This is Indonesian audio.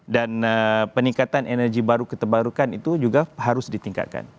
dan peningkatan energi baru keterbarukan itu juga harus ditingkatkan